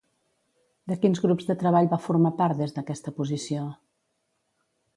De quins grups de treball va formar part, des d'aquesta posició?